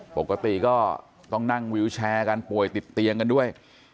ปกติก็ต้องนั่งวิวแชร์กันป่วยติดเตียงกันด้วย